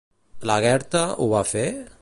Lagertha ho va fer?